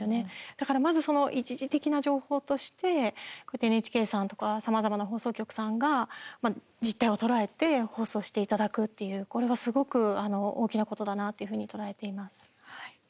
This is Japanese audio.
だから、まずその一次的な情報としてこうやってＮＨＫさんとかさまざまな放送局さんが実態を捉えて放送していただくっていうこれはすごく大きなことだなというふうに捉えています。